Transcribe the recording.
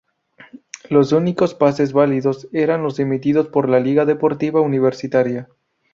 Los únicos pases válidos eran los emitidos por Liga Deportiva Universitaria.